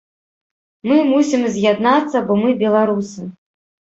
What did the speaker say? Мы мусім з'яднацца, бо мы беларусы.